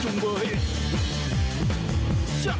นี่ใช่ไหม